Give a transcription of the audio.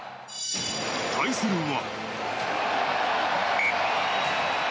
対するは。